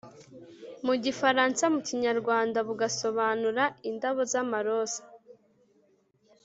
mu gifaransa; mu kinyarwanda bigasobanura “indabo z’amaroza